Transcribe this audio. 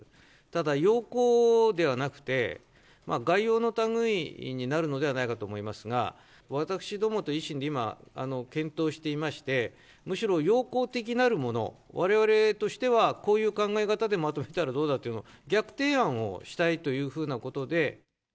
ただ要綱ではなくて、概要のたぐいになるのではないかと思いますが、私どもと維新で今、検討していまして、むしろ要綱的なるもの、われわれとしてはこういう考え方でまとめたらどうだっていうのを、逆提案をしたいというふうなことで。